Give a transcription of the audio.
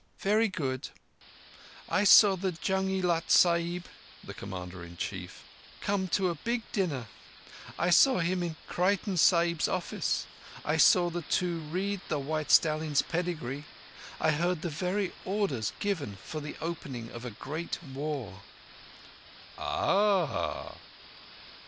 "Very good. I saw the Jang i Lat Sahib [the Commander in Chief] come to a big dinner. I saw him in Creighton Sahib's office. I saw the two read the white stallion's pedigree. I heard the very orders given for the opening of a great war." "Hah!"